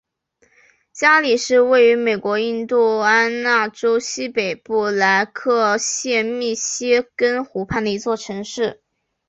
加里是位于美国印第安纳州西北部莱克县密歇根湖畔的一座城市。